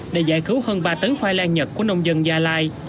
để giải cứu hơn ba tấn khoai lang nhật của nông dân gia lai